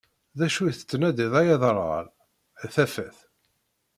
D acu i tettnadi-ḍ ay aderɣal? D tafat.